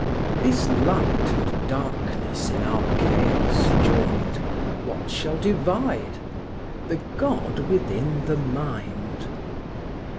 This light and darkness in our chaos joined, What shall divide? The God within the mind.